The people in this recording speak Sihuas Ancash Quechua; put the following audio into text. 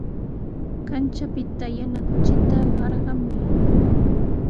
Kanchapita yana kuchita qarqamuy.